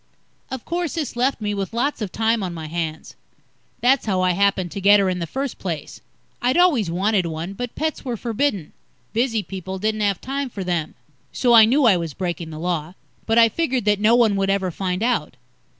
Of course, this left me with lots of time on my hands. That's how I happened to get her in the first place. I'd always wanted one, but pets were forbidden. Busy people didn't have time for them. So I knew I was breaking the Law. But I figured that no one would ever find out.